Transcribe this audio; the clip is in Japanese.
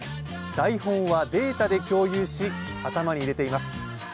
台本はデータで共有し頭に入れています。